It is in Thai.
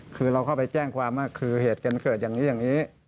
คือเราเข้าไปแจ้งความว่าคือเหตุการณ์เกิดอย่างนี้อย่างนี้